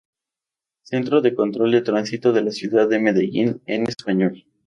Centro de Control de Tránsito de la ciudad de Medellín en español